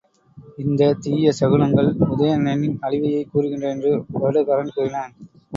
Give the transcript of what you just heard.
இந்தத் தீய சகுனங்கள் உதயணனின் அழிவையே கூறுகின்றன என்று வருடகாரன் கூறினான்.